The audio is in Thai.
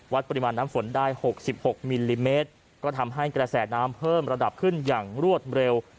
ปริมาณน้ำฝนได้๖๖มิลลิเมตรก็ทำให้กระแสน้ำเพิ่มระดับขึ้นอย่างรวดเร็ว